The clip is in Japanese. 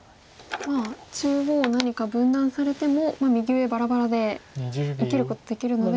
まあ中央何か分断されても右上ばらばらで生きることできるので。